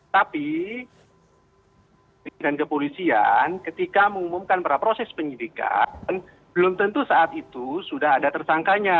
tapi di ketak tahan dan kepolisian ketika mengumumkan pada proses penyidikan belum tentu saat itu sudah ada tersangkanya